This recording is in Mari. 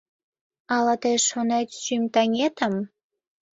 Ала тый шонет, шӱм таҥетым